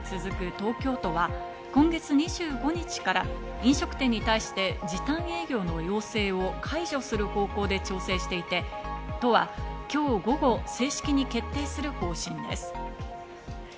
東京都は、今月２５日から飲食店に対して時短営業の要請を解除する方向で調整していて、都は今日午後、正式に決定する方針です。